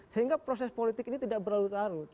sehingga proses politik ini tidak berlalu tarut